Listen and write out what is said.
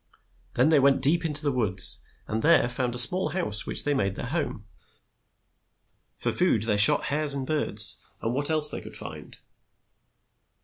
Then they went deep in the woods, and there found a small house which they made their home. For food they shot hares and birds and what else they could find.